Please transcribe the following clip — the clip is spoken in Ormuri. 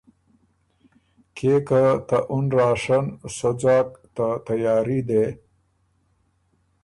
کيې که ته اُن راشن سۀ ځاک ته تیاري دې